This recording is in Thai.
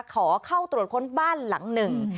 ขอเข้าตรวจค้นบ้านหลังหนึ่ง